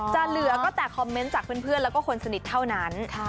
เหลือก็แต่คอมเมนต์จากเพื่อนแล้วก็คนสนิทเท่านั้น